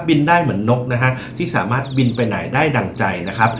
ได้เหมือนนกนะฮะที่สามารถบินไปไหนได้ดั่งใจนะครับ